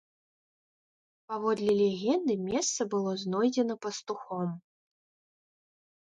Паводле легенды, месца было знойдзена пастухом.